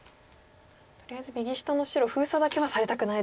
とりあえず右下の白封鎖だけはされたくないですよね。